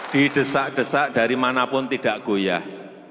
didesak desak dari manapun tidak goyah